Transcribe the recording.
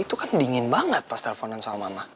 itu kan dingin banget pas teleponan sama mama